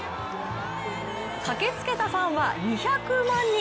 駆けつけたファンは２００万人。